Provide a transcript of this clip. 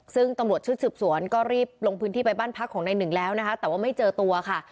ซึ่งตำรวจชุดสืบสวนก็รีบลงพื้นที่ไปบ้านพักของนายหนึ่งแล้วนะคะแต่ว่าไม่เจอตัวค่ะ